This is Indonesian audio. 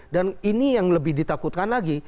dan ini yang lebih ditakutkan lagi